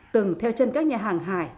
từng theo chân các nhà hàng hải